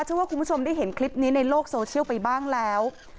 เชื่อว่าคุณผู้ชมได้เห็นคลิปนี้ในโลกโซเชียลไปบ้างแล้ว